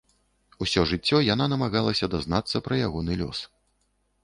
Усё жыццё яна намагалася дазнацца пра ягоны лёс.